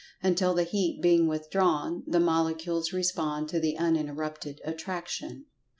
Until the heat being withdrawn, the Molecules respond to the uninterrupted Attraction.